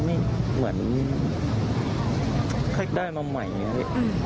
ไม่ได้นัดครับผมเหมือนคลิกได้มาใหม่อย่างนี้